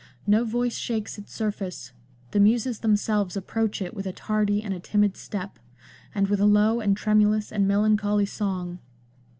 No voice shakes its surface : the muses themselves approach it with a tardy and a timid step, and with a low and tremulous and melancholy song."